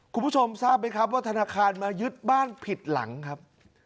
คุณผู้ชมทราบไหมครับว่าธนาคารมายึดบ้านผิดหลังครับ